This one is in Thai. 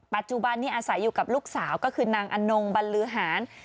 ปัจจุบันนี้อาศัยอยู่กับลูกสาวก็คือนางอนงบรรลือหาร